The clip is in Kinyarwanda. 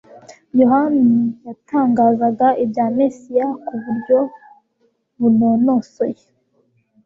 Yohana yatangazaga ibya Mesiya ku buryo buruonosoye.